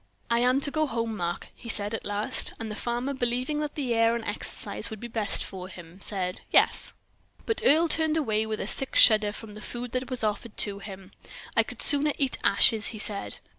"I am to go home, Mark?" he said at last. And the farmer, believing that air and exercise would be best for him, said "Yes." But Earle turned away with a sick shudder from the food that was offered to him. "I could sooner eat ashes," he said.